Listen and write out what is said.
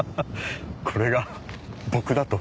これが僕だと？